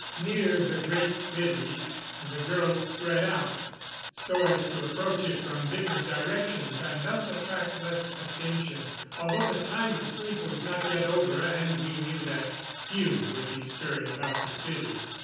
Near the Great City the girls spread out, so as to approach it from different directions and thus attract less attention, although the time of sleep was not yet over and we knew that few would be stirring about the city.